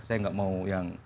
saya tidak mau yang rumit rumit